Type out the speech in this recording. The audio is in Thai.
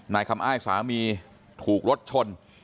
คำอ้ายสามีถูกรถชน